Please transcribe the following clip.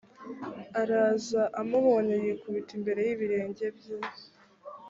araza amubonye yikubita imbere y ibirenge bye